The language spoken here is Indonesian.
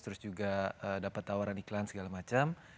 terus juga dapat tawaran iklan segala macam